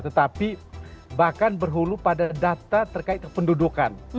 tetapi bahkan berhulu pada data terkait kependudukan